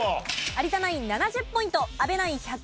有田ナイン７０ポイント阿部ナイン１２５ポイント。